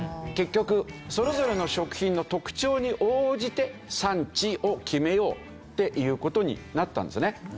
結局それぞれの食品の特徴に応じて産地を決めようっていう事になったんですよね。